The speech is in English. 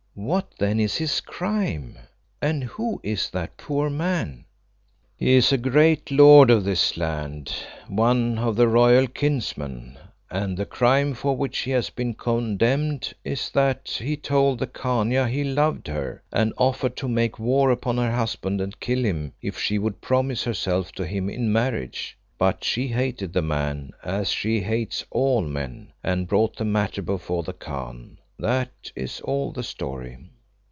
"What then is his crime? And who is that poor man?" "He is a great lord of this land, one of the royal kinsmen, and the crime for which he has been condemned is that he told the Khania he loved her, and offered to make war upon her husband and kill him, if she would promise herself to him in marriage. But she hated the man, as she hates all men, and brought the matter before the Khan. That is all the story."